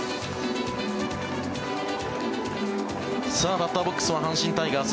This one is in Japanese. バッターボックスは阪神タイガース